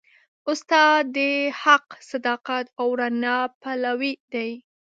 استاد د حق، صداقت او رڼا پلوي دی.